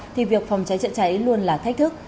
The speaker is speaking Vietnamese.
thì việc phòng cháy chữa cháy luôn là thách thức